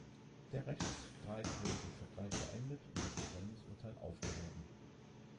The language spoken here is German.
Der Rechtsstreit wurde durch Vergleich beendet und das Versäumnisurteil aufgehoben.